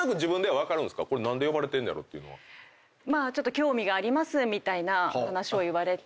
興味がありますみたいな話を言われて。